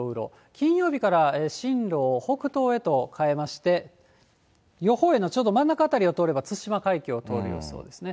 金曜日から進路を北東へと変えまして、予報円のちょうど真ん中辺りを通れば、対馬海峡を通る予想ですね。